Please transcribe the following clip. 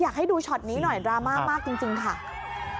อยากให้ดูช็อตนี้หน่อยดราม่ามากจริงจริงค่ะอ่าอันดับห้า